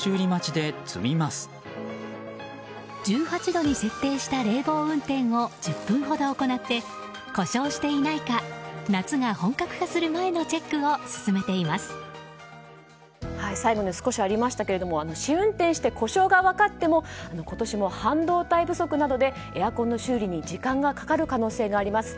１８度に設定した冷房運転を１０分ほど行って故障していないか夏が本格化する前のチェックを最後に少しありましたが試運転して、故障が分かっても今年も半導体不足などでエアコンの修理に時間がかかる可能性があります。